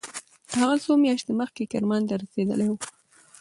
هغه څو میاشتې مخکې کرمان ته رسېدلی و.